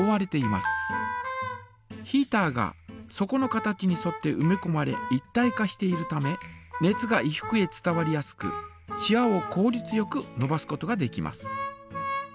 ヒータが底の形にそってうめこまれ一体化しているため熱が衣服へ伝わりやすくしわをこうりつよくのばすことができます。